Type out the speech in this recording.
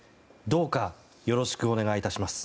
どうかよろしくお願いいたします。